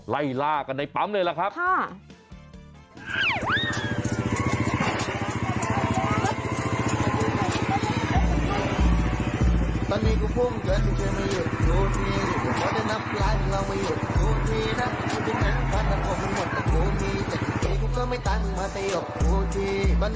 ไล่ล่ากันในปั๊มเลยล่ะครับ